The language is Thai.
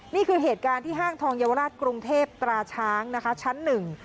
นี่คือเหตุการณ์ที่ห้างทองเยาวราชกรุงเทพตราช้างนะคะชั้นหนึ่ง